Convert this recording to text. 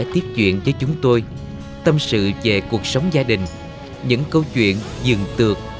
tiếp chuyện với chúng tôi tâm sự về cuộc sống gia đình những câu chuyện dừng từ